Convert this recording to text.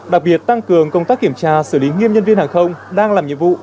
đặc biệt tăng cường công tác kiểm tra xử lý nghiêm nhân viên hàng không đang làm nhiệm vụ